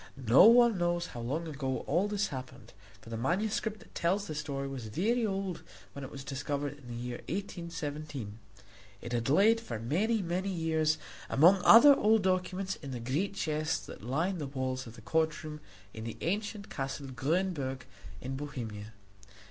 No one knows how long ago all this happened, for the manuscript that tells the story was very old when it was discovered in the year 1817. It had lain for many, many years among other old documents in the great chests that lined the walls of the courtroom in the ancient Castle Grünberg in Bohemia.